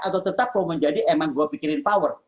atau tetap mau menjadi emang gue pikirin power